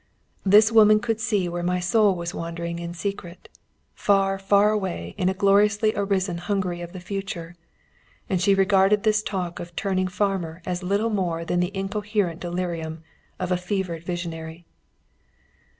This woman could see where my soul was wandering in secret, far, far away, in a gloriously arisen Hungary of the future. And she regarded this talk of turning farmer as little more than the incoherent delirium of a fevered visionary.